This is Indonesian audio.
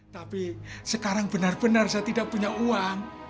tapi sekarang benar benar saya tidak punya uang